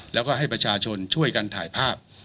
แล้วก็ให้ประชาชนช่วยกันถ่ายภาพ